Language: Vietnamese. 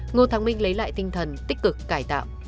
ngô thắng minh lấy lại tinh thần tích cực cải tạo